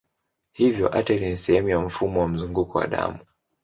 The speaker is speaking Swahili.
Hivyo ateri ni sehemu ya mfumo wa mzunguko wa damu.